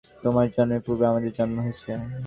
তোমার জন্মের পূর্বেই আমাদের জন্ম হয়েছে।